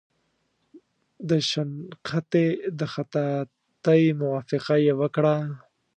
د شنختې د خطاطۍ موافقه یې وکړه.